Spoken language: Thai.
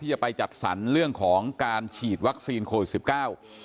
จะไปจัดสรรเรื่องของการฉีดวัคซีนโควิดสิบเก้า